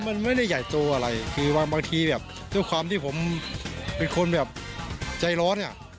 มันไม่ได้ใหญ่โตอะไรคือบางทีแบบด้วยความที่ผมเป็นคนแบบใจร้อนอ่ะ